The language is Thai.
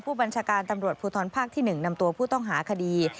ผู้บัญชาการตำรวจภูทรภาคที่๑นำตัวผู้ต้องหาคดี